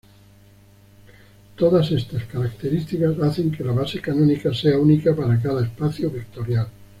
Todas estas características hacen que la base canónica sea única para cada espacio vectorial.